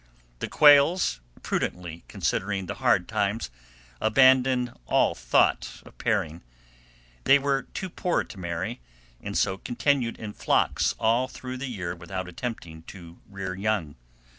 The quails, prudently considering the hard times, abandoned all thought of pairing. They were too poor to marry, and so continued in flocks all through the year without attempting to rear young.